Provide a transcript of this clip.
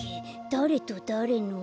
だれとだれの。